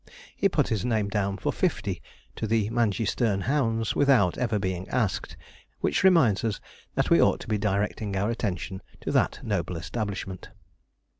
He put his name down for fifty to the Mangeysterne hounds without ever being asked; which reminds us that we ought to be directing our attention to that noble establishment.